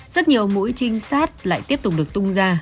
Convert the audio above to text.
rất nhiều mũi trinh sát lại tiếp tục được tung ra